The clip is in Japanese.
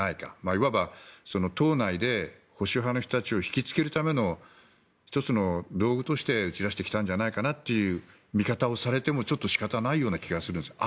いわば党内で保守派の人たちを引きつけるための１つの道具として打ち出してきたんじゃないかなという見方をされてもちょっと仕方ないような気がするんですよ。